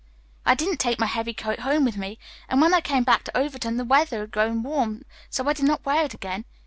"I didn't take my heavy coat home with me, and when I came back to Overton the weather had grown warm, so I did not wear it again.